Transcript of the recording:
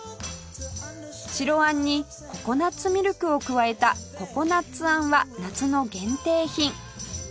白あんにココナッツミルクを加えたココナッツあんは夏の限定品